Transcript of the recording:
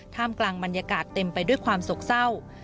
กลางบรรยากาศเต็มไปด้วยความโศกเศร้า